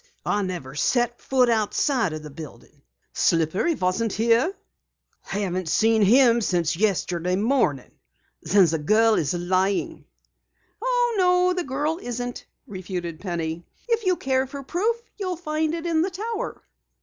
I never set foot outside the building." "Slippery wasn't here?" "Haven't seen him since yesterday morning." "Then the girl is lying!" "Oh, no, the girl isn't," refuted Penny. "If you care for proof you'll find it in the tower."